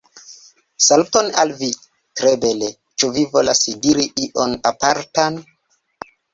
Saluton al vi! tre bele ĉu vi volas diri ion apartan?